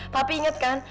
papi inget kan